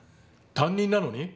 担任なのに？